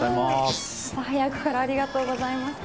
朝早くからありがとうございます。